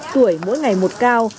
tuổi mỗi ngày một cao